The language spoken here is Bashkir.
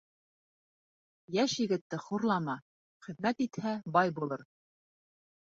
Йәш егетте хурлама, хеҙмәт итһә, бай булыр.